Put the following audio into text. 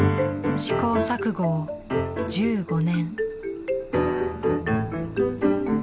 試行錯誤を１５年。